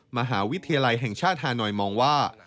มหาวิทยาลัยแห่งชาติฮานอยมองว่า